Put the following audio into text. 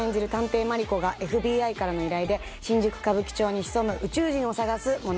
マリコがＦＢＩからの依頼で新宿歌舞伎町に潜む宇宙人を探す物語です。